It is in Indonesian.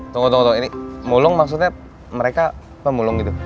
tunggu tunggu ini mulung maksudnya mereka pemulung gitu